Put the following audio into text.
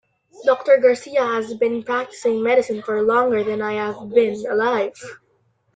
Doctor Garcia has been practicing medicine for longer than I have been alive.